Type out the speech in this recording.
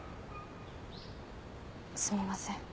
すみません。